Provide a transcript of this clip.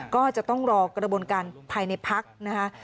ก็จะต้องรอกระบวนการภายในพักนะคะ